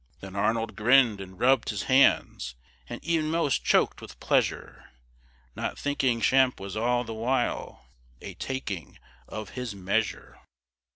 Then Arnold grinn'd, and rubb'd his hands, And e'enmost choked with pleasure, Not thinking Champe was all the while A "taking of his measure."